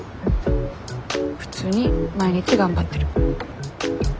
普通に毎日頑張ってる。